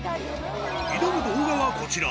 挑む動画はこちら。